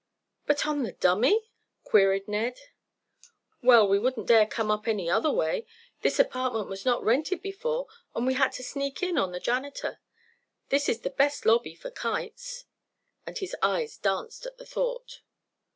"But on the dummy!" queried Ned. "Well, we wouldn't dare come up any other way. This apartment was not rented before and we had to sneak in on the janitor. This is the best lobby for kites," and his eyes danced at the thought.